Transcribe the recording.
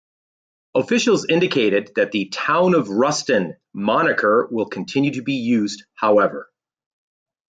Officials indicated that the "Town of Ruston" moniker will continue to be used, however.